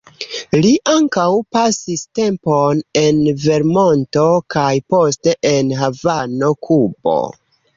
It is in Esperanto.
Li ankaŭ pasis tempon en Vermonto kaj poste en Havano, Kubo.